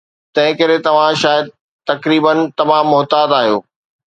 تنهنڪري توهان شايد تقريبا تمام محتاط آهيو